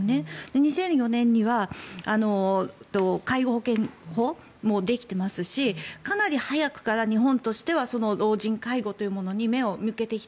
２００４年には介護保険法もできてますしかなり早くから日本としては老人介護というものに目を向けてきた。